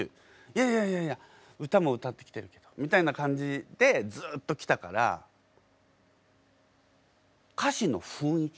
いやいやいやいや歌も歌ってきてるけどみたいな感じでずっときたからハハハハハ。